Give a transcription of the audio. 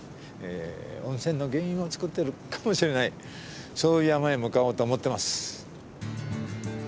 温泉の原因を作ってるかもしれないそういう山へ向かおうと思ってます。